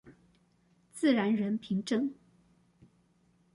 自然人憑證